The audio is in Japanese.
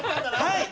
はい！